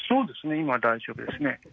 今、大丈夫ですね。